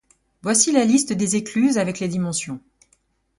Voici la liste des écluses avec les dimensions.